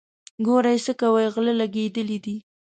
ګورئ څو کوئ غله لګېدلي دي.